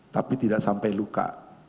tapi tidak sampai luka